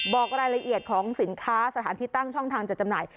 บอกรายละเอียดของสินค้าสถานที่ตั้งช่องทางจัดจำหน่าย